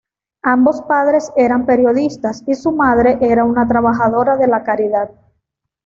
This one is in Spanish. Ambos padres eran periodistas y su madre era una trabajadora de la caridad.